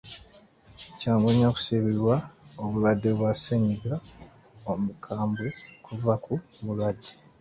Kyangu nnyo okusiigibwa obulwadde bwa ssennyiga omukambwe okuva ku mulwadde.